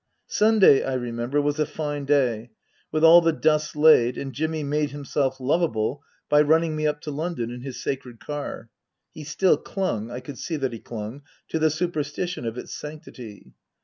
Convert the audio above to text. Sunday, I remember, was a fine day, with all the dust laid, and Jimmy made himself lovable by running me up to London in his sacred car. He still clung I could see that he clung to the superstition of its sanctity.